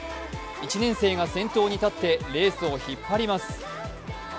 １年生が先頭に立ってレースを引っ張ります。